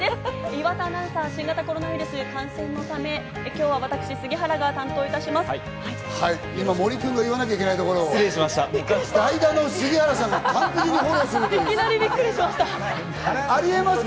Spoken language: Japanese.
岩田アナウンサーは新型コロナウイルス感染のため、今日は私、杉原が担当いたします。